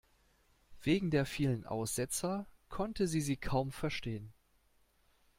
Wegen der vielen Aussetzer konnte sie sie kaum verstehen.